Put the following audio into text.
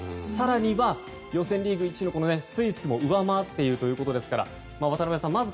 更には、予選リーグ１位のスイスを上回っているということですから渡辺さん